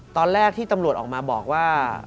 ตอนแรกที่ตำรวจออกมาบอกว่า